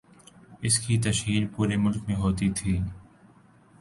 اس کی تشہیر پورے ملک میں ہوتی تھی۔